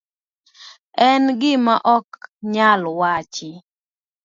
En gima ok nyal wachi.